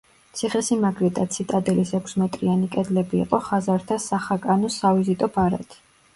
ციხესიმაგრე და ციტადელის ექვსმეტრიანი კედლები იყო ხაზართა სახაკანოს სავიზიტო ბარათი.